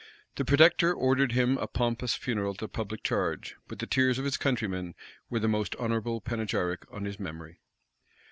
The protector ordered him a pompous funeral at the public charge: but the tears of his countrymen were the most honorable panegyric on his memory.